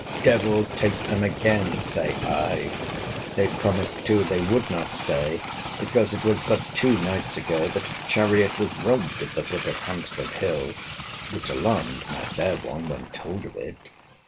Devil take them, again say I! They promised too they would not stay, because it was but two nights ago that a chariot was robbed at the foot of Hampstead hill, which alarmed my fair one when told of it!